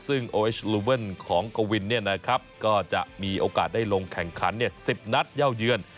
ซึ่งโอเอชลูเว่นของกวินก็จะมีโอกาสได้ลงแข่งขัน๑๐นัดเย่าเยือน